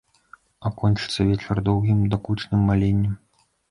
А кончыцца вечар доўгім дакучным маленнем.